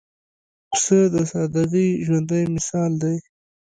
پسه د سادګۍ ژوندى مثال دی.